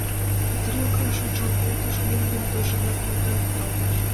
Метрий окнаш ончал колтыш — мом йодмыжымат монден кудалтыш.